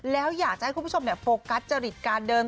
แล้วอยากจะให้คุณผู้ชมโฟกัสจริตการเดิน